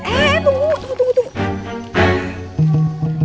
eh tunggu tunggu tunggu